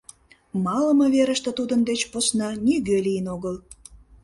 Малыме верыште тудын деч посна нигӧ лийын огыл.